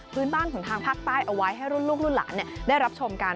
พื้นบ้านของทางภาคใต้เอาไว้ให้รุ่นลูกรุ่นหลานได้รับชมกัน